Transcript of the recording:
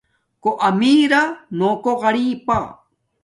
کݸ امݵرݳ نݸ کݸ غرݵپݳ.